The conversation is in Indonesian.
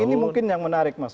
ini mungkin yang menarik mas